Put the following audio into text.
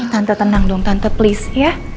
tante tenang dong tante please ya